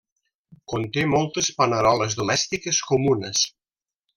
Conté moltes paneroles domèstiques comunes.